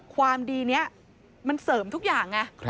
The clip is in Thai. ความดีนี้มันเสริมทุกอย่างไง